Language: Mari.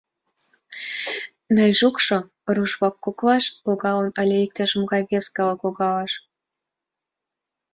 Найжукшо руш-влак коклаш логалын але иктаж-могай вес калык лоҥгаш?..